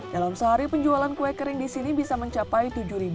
dalam sehari penjualan kue kering di sini bisa mencapai tujuh lima ratus